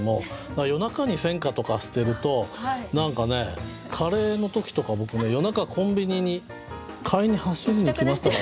夜中に選歌とかしてると何かカレーの時とか僕夜中コンビニに買いに走りに行きましたからね。